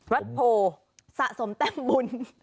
วัดโผสะสมแต้มบุญ